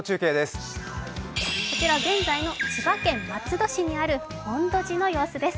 現在の千葉県松戸市にある本土寺の様子です。